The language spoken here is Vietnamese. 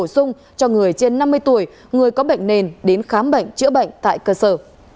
bổ sung cho người trên năm mươi tuổi người có bệnh nền đến khám bệnh chữa bệnh tại cơ sở